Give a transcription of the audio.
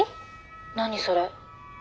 何それ？